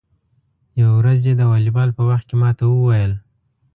یوه ورځ یې د والیبال په وخت کې ما ته و ویل: